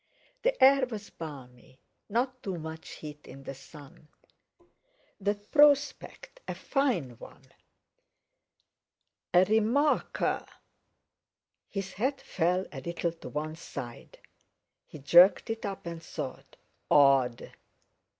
The air was balmy, not too much heat in the sun; the prospect a fine one, a remarka.... His head fell a little to one side; he jerked it up and thought: Odd!